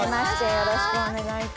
よろしくお願いします。